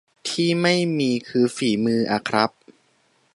ที่ไม่มีคือฝีมืออะครับ